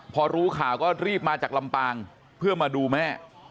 พอรู้ข่าวก็รีบมาจากลำปางเพื่อมาดูแม่